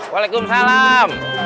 wa alaikum salam